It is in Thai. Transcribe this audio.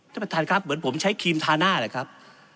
ท่านประธานครับเหมือนผมใช้ครีมทาหน้าแหละครับ